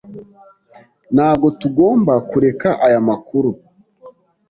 Ntabwo tugomba kureka aya makuru.